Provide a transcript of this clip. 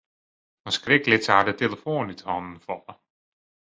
Fan skrik lit se har de telefoan út 'e hannen falle.